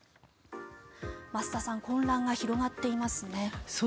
増田さん混乱が広がっていますね。